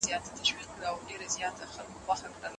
موږ به د تاریخ او هنر اړیکه روښانه کړو.